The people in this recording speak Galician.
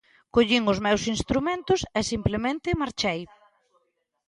Collín os meus instrumentos e simplemente marchei.